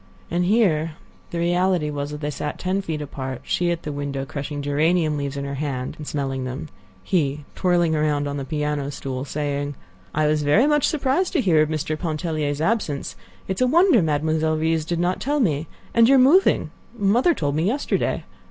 And here, the reality was that they sat ten feet apart, she at the window, crushing geranium leaves in her hand and smelling them, he twirling around on the piano stool, saying: "I was very much surprised to hear of Mr. Pontellier's absence; it's a wonder Mademoiselle Reisz did not tell me; and your moving—mother told me yesterday.